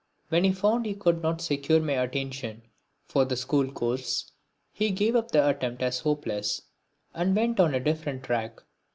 When he found he could not secure my attention for the school course, he gave up the attempt as hopeless and went on a different tack.